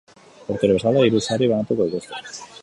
Urtero bezala, hiru sari banatuko dituzte.